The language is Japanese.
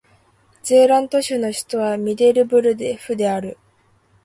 ゼーラント州の州都はミデルブルフである